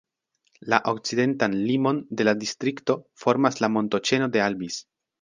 La okcidentan limon de la distrikto formas la montoĉeno de Albis.